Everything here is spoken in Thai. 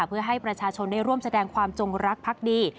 เพื่อให้ประชาชนได้ร่วมแสดงความจงรักพักดี